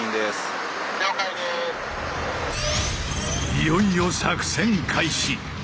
いよいよ作戦開始！